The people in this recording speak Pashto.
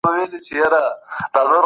د ورېښمو تاریخي لاري څخه تېرېدل.